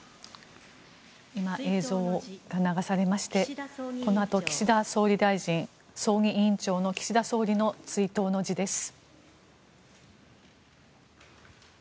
今、映像が流されましてこのあと葬儀委員長の岸田総理の追悼の辞です。